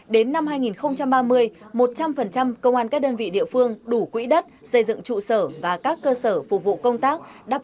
đến năm hai nghìn ba mươi một trăm linh công an các đơn vị địa phương đủ quỹ đất xây dựng trụ sở và các cơ sở phục vụ công tác